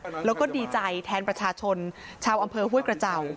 มีความสุขมากแล้วก็ดีใจแทนประชาชนชาวอำเภอฮุ้ยกระเจ้า